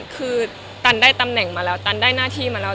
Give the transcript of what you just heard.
คือตันได้ตำแหน่งมาแล้วตันได้หน้าที่มาแล้ว